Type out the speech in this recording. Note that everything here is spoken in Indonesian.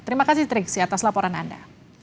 terima kasih triksi atas laporan anda